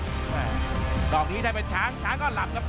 นี่ส่อประชานี้แต่ว่าเป็นช้างช้างลำครับ